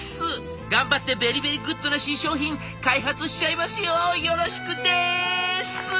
頑張ってベリベリグッドな新商品開発しちゃいますよよろしくです！」。